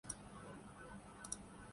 انڈے کو نظر انداز کر دیا گیا